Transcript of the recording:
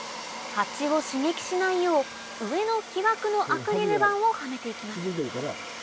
ハチを刺激しないよう上の木枠のアクリル板をはめていきます